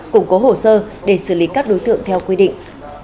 củng cố hồ sơ để xử lý các đối tượng theo quy định